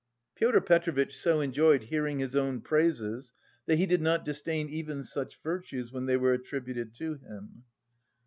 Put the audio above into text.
Pyotr Petrovitch so enjoyed hearing his own praises that he did not disdain even such virtues when they were attributed to him.